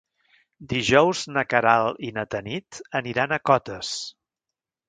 Dijous na Queralt i na Tanit aniran a Cotes.